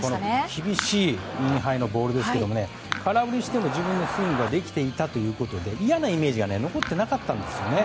厳しいインハイのボールですけど空振りしても自分のスイングができていたということで嫌なイメージが残っていなかったんですね。